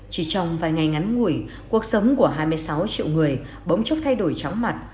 chỉ trong vài ngày ngắn ngủi cuộc sống của hai mươi sáu triệu người bỗng chốc thay đổi chóng mặt